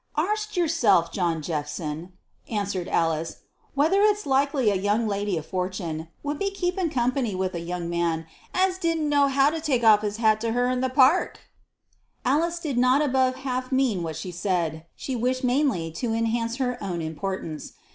"Arst yourself, John Jephson," answered Alice, "whether it's likely a young lady of fortun' would be keepin' company with a young man as didn't know how to take off his hat to her in the park?" Alice did not above half mean what she said: she wished mainly to enhance her own importance.